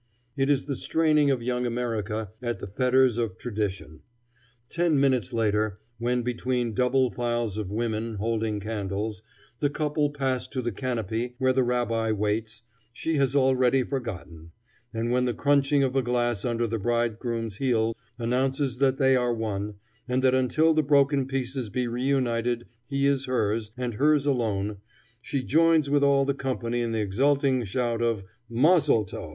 It is the straining of young America at the fetters of tradition. Ten minutes later, when, between double files of women holding candles, the couple pass to the canopy where the rabbi waits, she has already forgotten; and when the crunching of a glass under the bridegroom's heel announces that they are one, and that until the broken pieces be reunited he is hers and hers alone, she joins with all the company in the exulting shout of "Mozzel tov!"